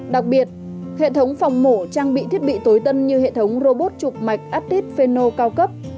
đặc biệt hệ thống phòng mổ trang bị thiết bị tối tân như hệ thống robot chụp mạch aptid fino cao cấp